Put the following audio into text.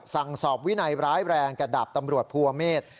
สั่งสอบวินัยร้ายแรงกับดาบตำรวจภูเมฆ